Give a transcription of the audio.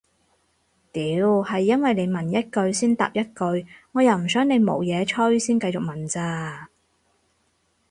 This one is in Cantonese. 屌係因為你問一句先答一句我又唔想你冇嘢吹先繼續問咋